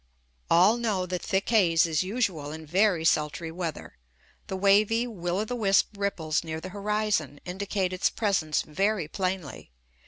All know that thick haze is usual in very sultry weather. The wavy, will o' the wisp ripples near the horizon indicate its presence very plainly.